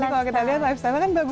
kalau kita lihat lifestyle kan bagus